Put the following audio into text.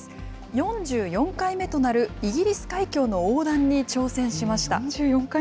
４４回目となるイギリス海峡の横断に挑戦しました。